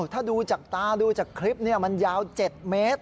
ถ้าดูจากตาดูจากคลิปมันยาว๗เมตร